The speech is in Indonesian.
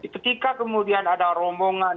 ketika kemudian ada romongan